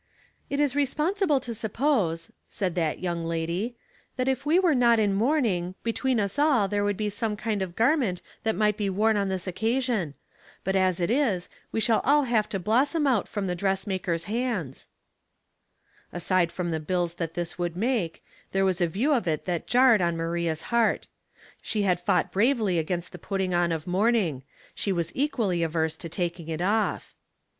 " It is resonable to suppose," said that young lady, " that if we were not in mourning, between us all there would be some kind of garment that might be worn on this occasion ; but as it is, we shall all have to blossom out from the dress maker's hands.'* 160 Household Puzzles, Aside from the bills that this would make, there was a view of it that jarred ou Maria's heart. She had fought bravely against the put ting on of mourning ; she was equally averse to taking it off.